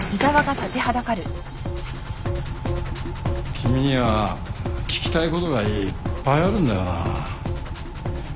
君には聞きたいことがいっぱいあるんだよな。